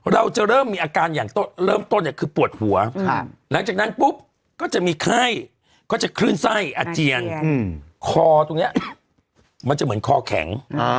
เราจะเริ่มมีอาการอย่างเริ่มต้นเนี่ยคือปวดหัวหลังจากนั้นปุ๊บก็จะมีไข้ก็จะคลื่นไส้อาเจียนคอตรงนี้มันจะเหมือนคอแข็ง